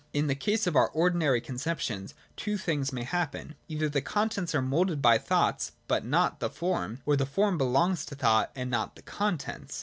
In the case of our ordinary conceptions, two things may happen. Either the contents are moulded by thought, but not the form ; or, the form belongs to thought and not the 24.] PURE ABSTRACT THOUGHT. 49 contents.